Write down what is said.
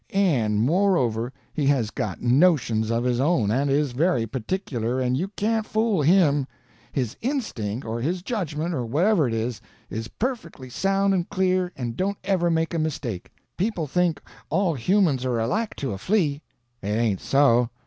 And, moreover, he has got notions of his own, and is very particular, and you can't fool him; his instinct, or his judgment, or whatever it is, is perfectly sound and clear, and don't ever make a mistake. People think all humans are alike to a flea. It ain't so.